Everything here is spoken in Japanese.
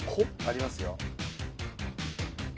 ありますよ